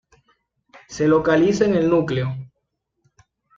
Se localiza en el núcleo.